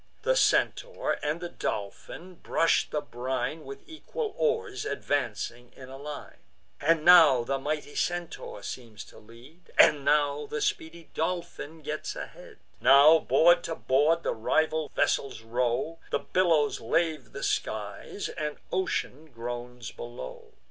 The Centaur and the Dolphin brush the brine With equal oars, advancing in a line; And now the mighty Centaur seems to lead, And now the speedy Dolphin gets ahead; Now board to board the rival vessels row, The billows lave the skies, and ocean groans below.